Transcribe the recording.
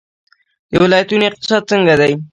د ولایتونو اقتصاد څنګه دی؟